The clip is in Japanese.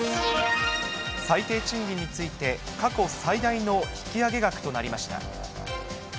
最低賃金について、過去最大の引き上げ額となりました。